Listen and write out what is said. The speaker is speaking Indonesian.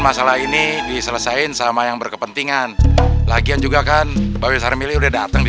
masalah ini diselesaikan sama yang berkepentingan lagian juga kan bahwa saya milih udah datang di